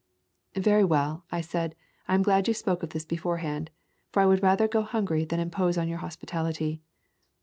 "Very well," I said, "I'm glad you spoke of this beforehand, for I would rather go hungry than impose on your hospitality."